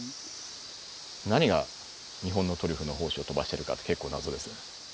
何が日本のトリュフの胞子を飛ばしてるか結構謎ですね。